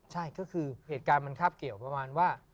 ใช่ก็คือเหตุการณ์มันคาบเกี่ยวประมาณว่า